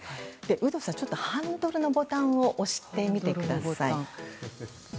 有働さん、ハンドルのボタンを押してみてください。